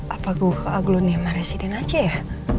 apa gue ke aglone mariasidin aja ya